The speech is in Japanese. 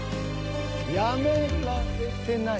やめられてない？